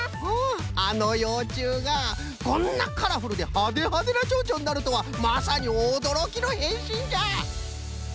あのようちゅうがこんなカラフルでハデハデのチョウチョになるとはまさにおどろきのへんしんじゃ！